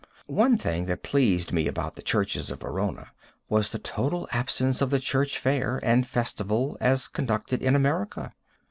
One thing that pleased me about the churches of Verona was the total absence of the church fair and festival as conducted in America.